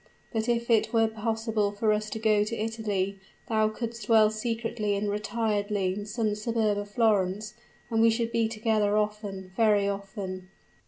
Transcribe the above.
But if it were possible for us to go to Italy, thou couldst dwell secretly and retiredly in some suburb of Florence, and we should be together often very often!"